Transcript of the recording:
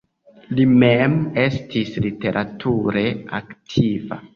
Li mem estis literature aktiva.